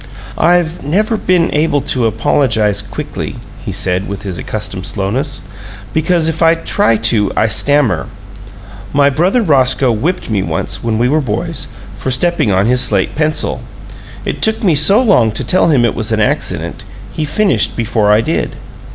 "I've never been able to apologize quickly," he said, with his accustomed slowness, "because if I try to I stammer. My brother Roscoe whipped me once, when we were boys, for stepping on his slate pencil. It took me so long to tell him it was an accident, he finished before I did."